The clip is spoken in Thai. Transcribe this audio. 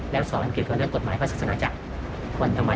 แล้วสอนอังกฤษเพราะเลือกกฎหมายภาษาสนาจากคนธรรมดา